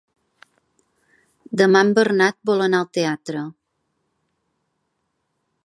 Demà en Bernat vol anar al teatre.